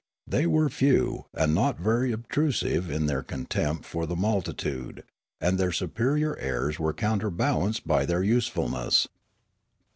They were few, and not ver}^ obtrusive in their contempt for the mul titude, and their superior airs were counterbalanced by their usefulness.